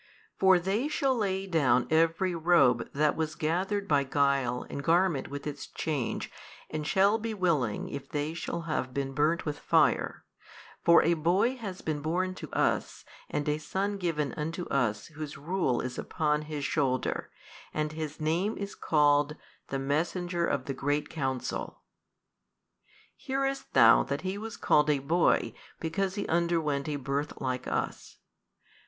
For they shall lay down every robe that was gathered by guile and garment with its change and shall be willing if |220 they shall have been burnt with fire; for a boy has been born to us and a son given unto us whose rule is upon His Shoulder and His Name is called The Messenger of the great Counsel. Hearest thou that He was called a Boy because He underwent a birth like us?